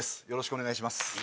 よろしくお願いします